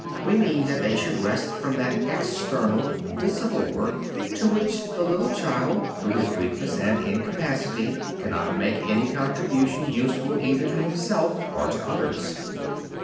We mean that they should rest from that external visible work to which the little child through his weakness and incapacity cannot make any contribution useful either to himself or to others.